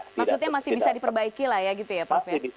maksudnya masih bisa diperbaiki lah ya gitu ya prof ya